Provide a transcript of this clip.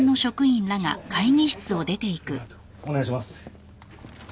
お願いします。